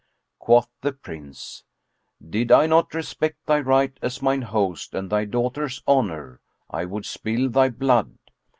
Quoth the Prince, "Did I not respect thy right as mine host and thy daughter's honour, I would spill thy blood!